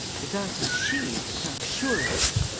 If that was she and I'm sure of it!